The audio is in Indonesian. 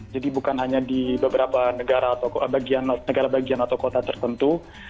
jadi bukan hanya di beberapa negara bagian atau kota tertentu